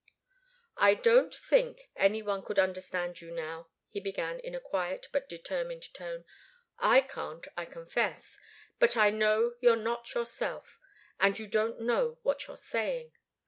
"I don't think any one could understand you now," he began, in a quiet, but determined tone. "I can't, I confess. But I know you're not yourself, and you don't know what you're saying.